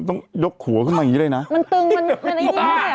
ต้องยกหัวขึ้นมาอย่างงี้เลยนะ